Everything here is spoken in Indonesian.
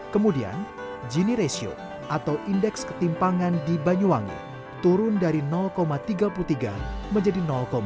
kemudian gini ratio atau indeks ketimpangan di banyuwangi turun dari tiga puluh tiga menjadi lima